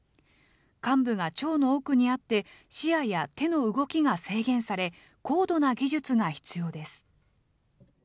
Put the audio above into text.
患部が腸の奥にあって、視野や手の動きが制限され、高度な技術が必要です。